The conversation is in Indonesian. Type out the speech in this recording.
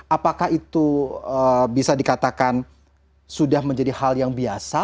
apakah itu bisa dikatakan sudah menjadi hal yang biasa